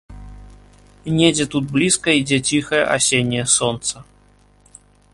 Недзе тут блізка ідзе ціхае асенняе сонца!